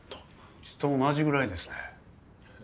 うちと同じぐらいですね。